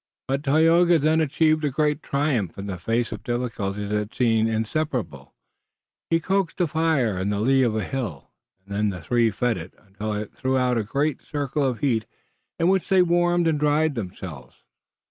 But Tayoga then achieved a great triumph. In the face of difficulties that seemed insuperable, he coaxed a fire in the lee of a hill, and the three fed it, until it threw out a great circle of heat in which they warmed and dried themselves.